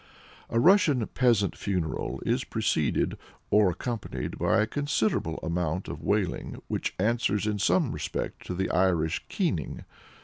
" A Russian peasant funeral is preceded or accompanied by a considerable amount of wailing, which answers in some respect to the Irish "keening."